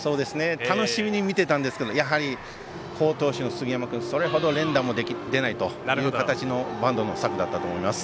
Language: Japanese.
楽しみに見ていたんですがやはり好投手の杉山君それほど連打も出ないというバントの策だったと思います。